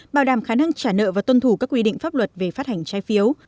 bảo đảm khả năng trả nợ và tuân thủ các quy định pháp luật về phát hành trái phiếu